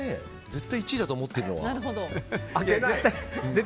絶対１位だと思ってるので。